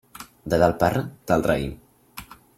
De tal parra, tal raïm.